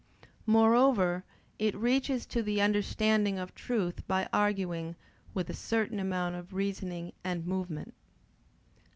Moreover it reaches to the understanding of truth by arguing, with a certain amount of reasoning and movement.